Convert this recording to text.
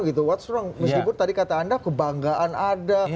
meskipun tadi kata anda kebanggaan ada